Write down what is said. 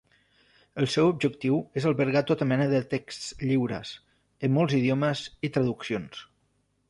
El seu objectiu és albergar tota mena de texts lliures, en molts idiomes, i traduccions.